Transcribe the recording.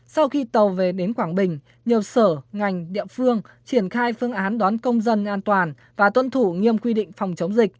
sau khi tàu về đến quảng bình nhiều sở ngành địa phương triển khai phương án đón công dân an toàn và tuân thủ nghiêm quy định phòng chống dịch